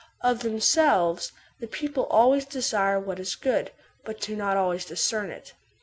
Of themselves, the people always desire what is good, but do not always discern it.